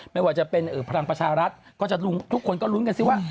ไม่ว่าจะเป็นพลังประชารัฐก็จะทุกคนก็ลุ้นกันสิว่า